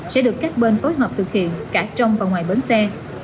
sẽ được các bên phối hợp thực hiện cả trong và ngoài bến xe